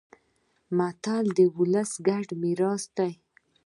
متل د ولس ګډ میراث دی